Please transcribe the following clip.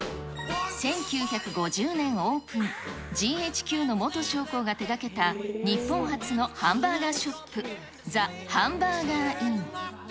１９５０年オープン、ＧＨＱの元将校が手がけた日本初のハンバーガーショップ、ザ・ハンバーガー・イン。